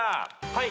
はい。